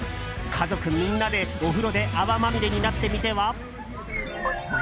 家族みんなでお風呂で泡まみれになってみては？